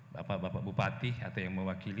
bapak bapak bupati atau yang mewakili